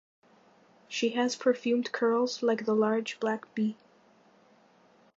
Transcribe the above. She has perfumed curls like the large black bee.